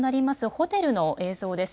ホテルの映像です。